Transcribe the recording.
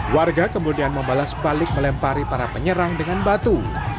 warga kemudian membalas balik melempari para penyerang dengan batu